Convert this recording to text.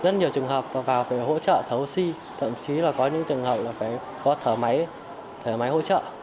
rất nhiều trường hợp vào phải hỗ trợ thở oxy thậm chí là có những trường hợp là phải có thở máy thở máy hỗ trợ